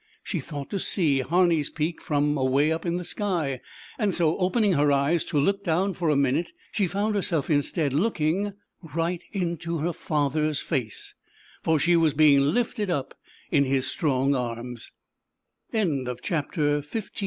She thought to see Harney's Peak from away up in the sky, and so opening her eyes to look down for a minute she found herself instead looking right into her father's face, for she was being lifted up in h